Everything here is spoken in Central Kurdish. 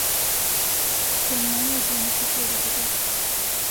پێم وانییە دوێنێ کەس لێرە بووبێت.